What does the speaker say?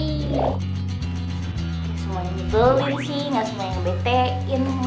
gak semuanya nyebelin sih gak semuanya yang betein